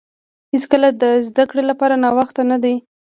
هیڅکله د زده کړې لپاره ناوخته نه دی.